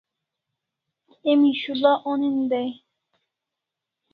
Emi shul'a onin dai